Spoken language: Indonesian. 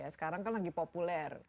sekarang kan lagi populer